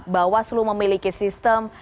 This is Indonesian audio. bahwa selalu memiliki sistem